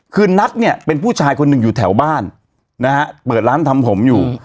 คือนัทเนี่ยเป็นผู้ชายคนหนึ่งอยู่แถวบ้านนะฮะเปิดร้านทำผมอยู่